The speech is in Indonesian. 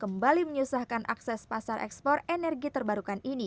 kembali menyusahkan akses pasar ekspor energi terbarukan ini